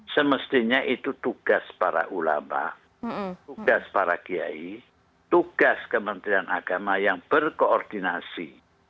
semestinya itu tugas para ulama tugas para kiai tugas kementerian agama yang berkoordinasi